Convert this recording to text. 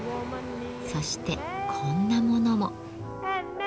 そしてこんなものも。